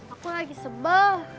aku lagi sebe